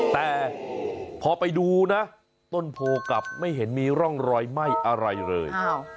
แต่พอไปดูนะต้นโพกลับไม่เห็นมีร่องรอยไหม้อะไรเลย